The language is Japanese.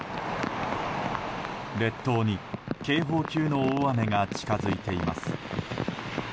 列島に警報級の大雨が近づいています。